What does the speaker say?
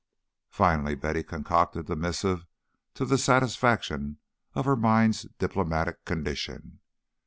Finally Betty concocted the missive to the satisfaction of her mind's diplomatic condition.